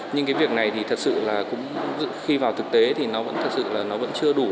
nhưng cái việc này thì thật sự là cũng khi vào thực tế thì nó vẫn thật sự là nó vẫn chưa đủ